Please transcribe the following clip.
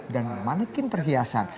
dan manekin perhiasan